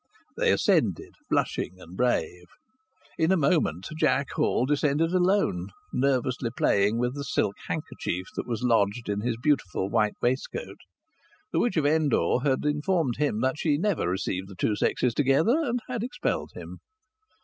They ascended, blushing and brave. In a moment Jack Hall descended alone, nervously playing with the silk handkerchief that was lodged in his beautiful white waistcoat. The witch of Endor had informed him that she never received the two sexes together, and had expelled him.